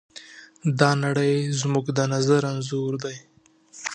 دا نړۍ زموږ د نظر انځور دی.